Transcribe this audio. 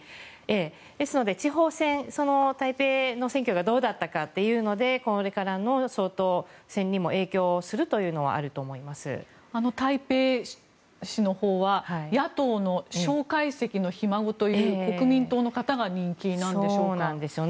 ですので地方選、台北の選挙がどうだったかというのでこれからの総統選にも影響するというのは台北市のほうは野党の蒋介石のひ孫という国民党の方が人気なんでしょうか。